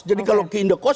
jadi kalau kita indah kos